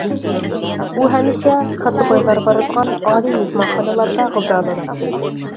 ئۇ ھەمىشە كاتتا بايلار بارىدىغان ئالىي مېھمانخانىلاردا غىزالىناتتى.